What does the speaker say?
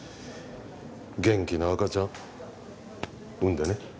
元気な赤ちゃん産んでね